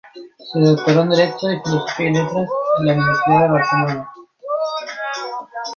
Se doctoró en Derecho y Filosofía y Letras en la Universidad de Barcelona.